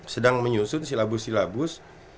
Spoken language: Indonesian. sedang menyusun silabus silabus